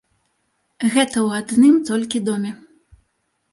Гэта ў адным толькі доме.